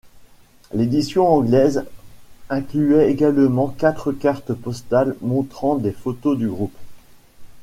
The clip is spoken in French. L'édition anglaise incluait également quatre cartes postales montrant des photos du groupe.